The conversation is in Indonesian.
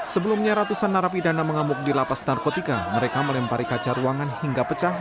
sebelumnya ratusan narapidana mengamuk di lapas narkotika mereka melempari kaca ruangan hingga pecah